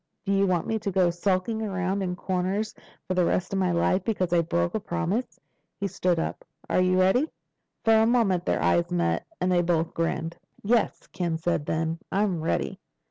Do you want me to go skulking around in corners for the rest of my life because I broke a promise?" He stood up. "Are you ready?" For a moment their eyes met and they both grinned. "Yes," Ken said then. "I'm ready."